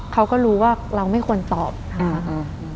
เขาก็รู้ว่าเราไม่ควรตอบนะคะ